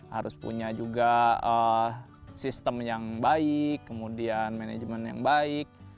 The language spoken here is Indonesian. harus punya juga sistem yang baik kemudian manajemen yang baik